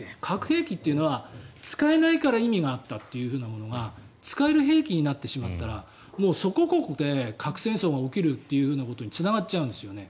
核兵器というのは使えないから意味があったというものが使える兵器になってしまったらそこここで核戦争が起きることにつながるんです。